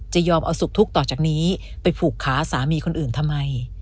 ยอมเอาสุขทุกข์ต่อจากนี้ไปผูกขาสามีคนอื่นทำไม